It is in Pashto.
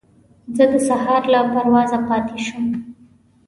زه د سهار له پروازه پاتې شوم.